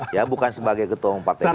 ya bukan sebagai ketua umum partai golkar